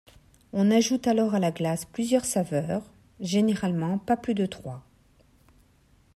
On ajoute alors à la glace plusieurs saveurs, généralement pas plus de trois.